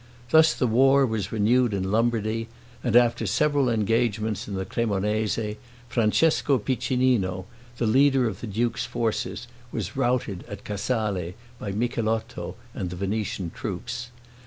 Thus the war was renewed in Lombardy, and after several engagements in the Cremonese, Francesco Piccinino, the leader of the duke's forces, was routed at Casale, by Micheletto and the Venetian troops.